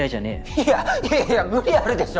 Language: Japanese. いやいやいや無理あるでしょ？